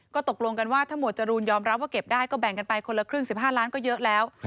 ก็ตกลงกันว่าถ้าหมวดจรูนยอมรับว่าเก็บได้ก็แบ่งกันไปคนละครึ่ง๑๕ล้านก็เยอะแล้ว